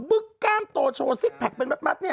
กล้ามโตโชว์ซิกแพคเป็นมัดเนี่ย